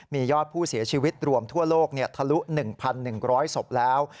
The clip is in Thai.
มียอดผู้เสียชีวิตรวมทั่วโลกทะลุ๑๑๐๐ศพแล้ว